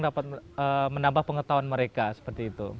dapat menambah pengetahuan mereka seperti itu